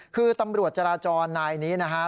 คือตำรวจจราจรนายนี้นะฮะ